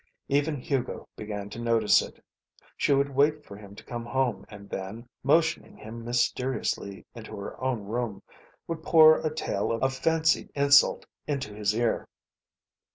Even Hugo began to notice it. She would wait for him to come home and then, motioning him mysteriously into her own room, would pour a tale of fancied insult into his ear.